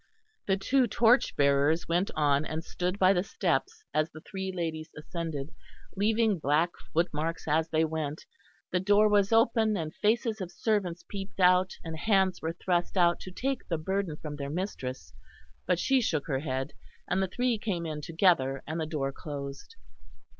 The two torchbearers went on and stood by the steps as the three ladies ascended, leaving black footmarks as they went. The door was open and faces of servants peeped out, and hands were thrust out to take the burden from their mistress, but she shook her head, and the three came in together, and the door closed.